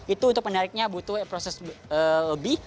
itu untuk menariknya butuh proses lebih